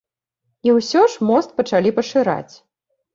І ўсё ж мост пачалі пашыраць.